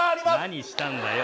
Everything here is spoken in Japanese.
何したんだよ！